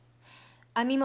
網元・